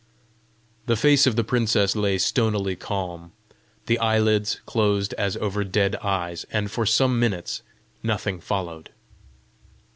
The face of the princess lay stonily calm, the eyelids closed as over dead eyes; and for some minutes nothing followed.